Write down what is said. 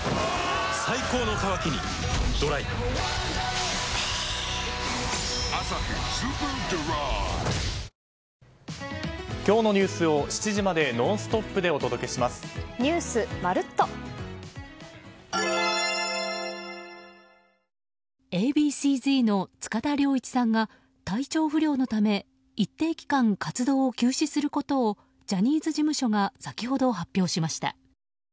最高の渇きにＤＲＹ「アサヒスーパードライ」Ａ．Ｂ．Ｃ‐Ｚの塚田僚一さんが体調不良のため一定期間活動を休止することをジャニーズ事務所が先ほど発表しました。